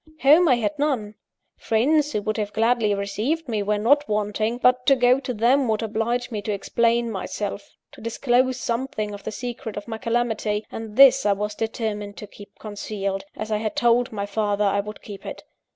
Home I had none. Friends who would have gladly received me were not wanting; but to go to them would oblige me to explain myself; to disclose something of the secret of my calamity; and this I was determined to keep concealed, as I had told my father I would keep it.